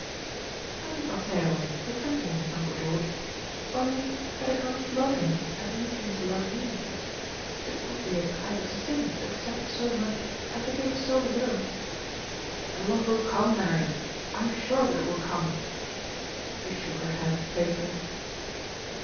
"I did not say I was indifferent to him, uncle George; only that I do not love him as he seems to love me. It would be a kind of sin to accept so much and to give so little." "The love will come, Marian; I am sure that it will come." She shook her head playfully.